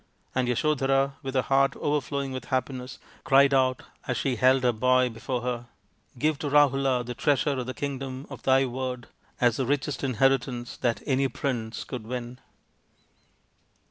And Yasodhara, with a heart overflowing with happiness, cried out as she held her boy before her, " Give to Rahula the Treasure of the Kingdom of thy Word as the richest inheritance that any prince could win."